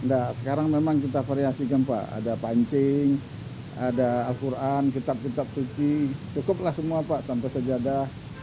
enggak sekarang memang kita variasikan pak ada pancing ada al quran kitab kitab suci cukuplah semua pak sampai sejadah